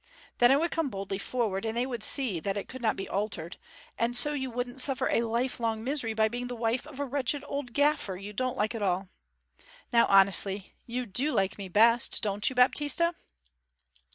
Then I would come boldly forward; and they would see that it could not be altered, and so you wouldn't suffer a lifelong misery by being the wife of a wretched old gaffer you don't like at all. Now, honestly; you do like me best, don't you, Baptista?'